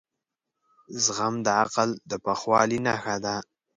زغم د عقل د پخوالي نښه ده.